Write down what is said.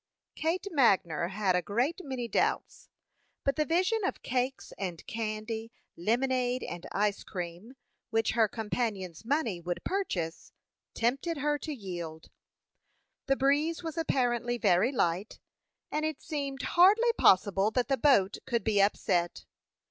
Kate Magner had a great many doubts, but the vision of cakes and candy, lemonade and ice cream, which her companion's money would purchase, tempted her to yield. The breeze was apparently very light, and it seemed hardly possible that the boat could be upset.